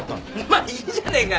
まあいいじゃねえか。